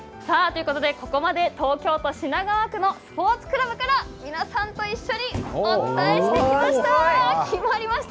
ここまで東京都品川区のスポーツクラブから皆さんと一緒にお伝えしてきました。